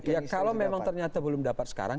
ya kalau memang ternyata belum dapat sekarang